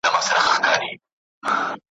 له اورنګه تر فرنګه چي راغلي `